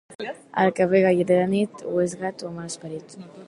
El que ve gaire de nit, o és gat, o mal esperit.